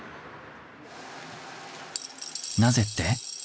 なぜって？